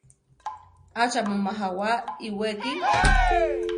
¿Acha mu majawá iwéki?